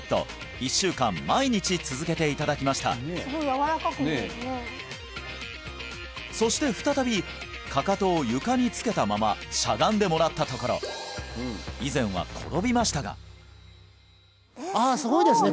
１週間毎日続けていただきましたそして再びかかとを床につけたまましゃがんでもらったところ以前は転びましたがああすごいですね！